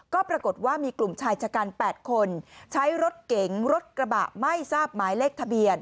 ก็ปรากฏว่ามีกลุ่มชายชะกัน๘คนใช้รถเก๋งรถกระบะไม่ทราบหมายเลขทะเบียน